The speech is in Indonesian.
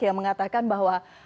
yang mengatakan bahwa